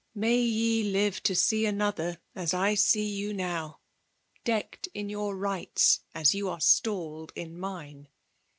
May ye live To see another, as I see you now, Deck'd in yonr xightii aa yon an itall'd in mioe